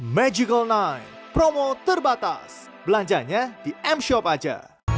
magical night promo terbatas belanjanya di m shop aja